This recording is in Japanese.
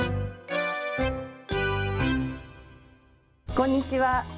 こんにちは。